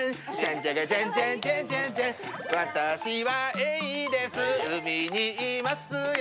私はエイです、海にいますよ。